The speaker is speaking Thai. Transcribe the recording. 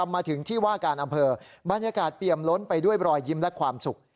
มาถึงที่ว่าการอำเภอบรรยากาศเปี่ยมล้นไปด้วยรอยยิ้มและความสุข